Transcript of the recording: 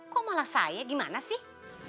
kok malah saya gimana sih